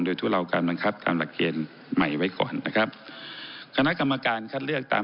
โดยทุเลาการบังคับตามหลักเกณฑ์ใหม่ไว้ก่อนนะครับคณะกรรมการคัดเลือกตาม